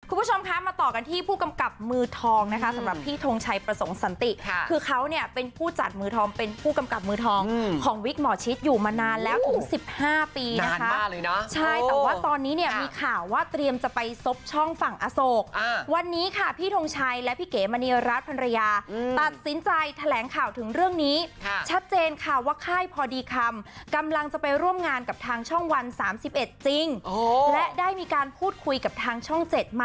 คุณผู้ชมคะมาต่อกันที่ผู้กำกับมือทองนะคะสำหรับพี่ทงชัยประสงค์สันติค่ะคือเขาเนี่ยเป็นผู้จัดมือทองเป็นผู้กำกับมือทองของวิทย์หมอชิดอยู่มานานแล้วอุ้งสิบห้าปีนะคะนานมาเลยน่ะใช่แต่ว่าตอนนี้เนี่ยมีข่าวว่าเตรียมจะไปซบช่องฝั่งอโศกอ่าวันนี้ค่ะพี่ทงชัยและพี่เก๋มาเนียรัฐพรรณรยาอืม